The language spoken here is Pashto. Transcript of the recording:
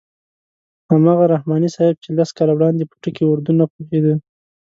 هماغه رحماني صاحب چې لس کاله وړاندې په ټکي اردو نه پوهېده.